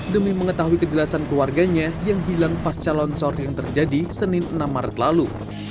demi mengetahui kejelasan keluarganya yang hilang pasca longsor yang terjadi senin enam maret lalu